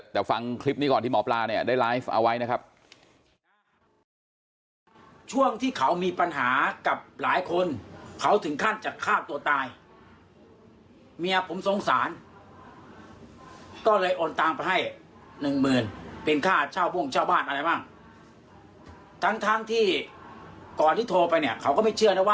แต่ฟังคลิปนี้ก่อนที่หมอปลาเนี่ยได้ไลฟ์เอาไว้นะครับ